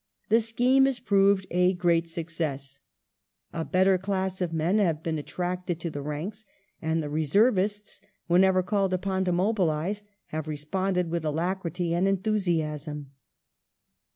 The scheme has proved a great success : a better class of men hsis been attracted to the ranks, and the reservists, whenever called upon to mobilize, have responded with alacrity and enthus iasm.